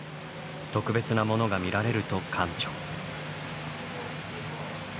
「特別なものが見られる」と館長。